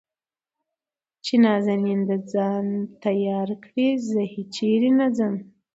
چې نازنين د ځان تيار کړي زه هېچېرې نه ځم .